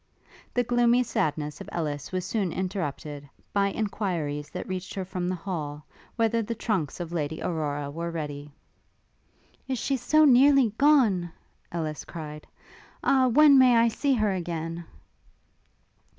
The gloomy sadness of Ellis was soon interrupted, by enquiries that reached her from the hall, whether the trunks of Lady Aurora were ready. Is she so nearly gone? Ellis cried; Ah! when may I see her again?